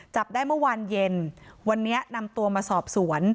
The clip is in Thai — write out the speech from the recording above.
จับได้เมื่อวานเย็นวันนี้นำตัวมาสอบสวน